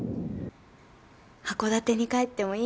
函館に帰ってもいいんだって！